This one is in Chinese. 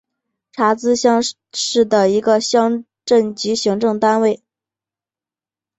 查孜乡是的一个乡镇级行政单位。